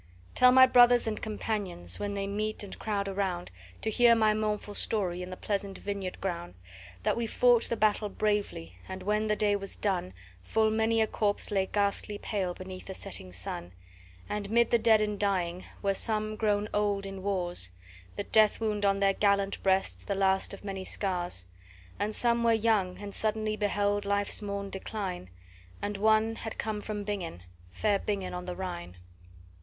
"Tell my brothers and companions, when they meet and crowd around, To hear my mournful story, in the pleasant vineyard ground, That we fought the battle bravely, and when the day was done, Full many a corpse lay ghastly pale beneath the setting sun; And, mid the dead and dying, were some grown old in wars, The death wound on their gallant breasts, the last of many scars; And some were young, and suddenly beheld life's morn decline, And one had come from Bingen, fair Bingen on the Rhine.